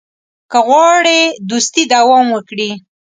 که غواړې دوستي دوام وکړي.